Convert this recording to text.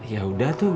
ya udah tuh